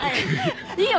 いいよ